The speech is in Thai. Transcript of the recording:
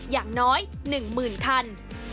อย่างน้อย๑หมื่นคัน